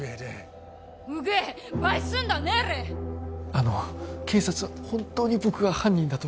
あの警察は本当に僕が犯人だと？